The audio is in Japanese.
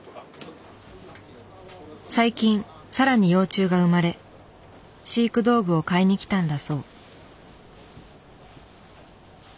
最近さらに幼虫が生まれ飼育道具を買いに来たんだそう。